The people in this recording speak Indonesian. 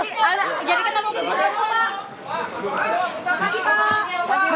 jadi kita mau berbual sama